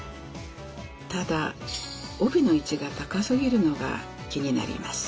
ただ帯の位置が高すぎるのが気になります。